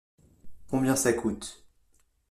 Combien ça coûte ?